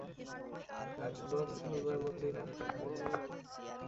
আজ পথ ভোলবার মতোই রাতটা হয়েছে বটে।